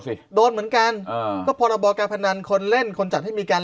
โดนเหมือนกันอ่าก็พรบการพนันคนเล่นคนจัดให้มีการ